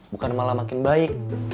bukan malah makin baik